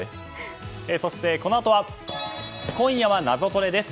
そして、このあとは「今夜はナゾトレ」です。